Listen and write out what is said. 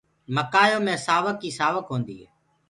مڪآيو مي سآوڪ ئي هوندي هي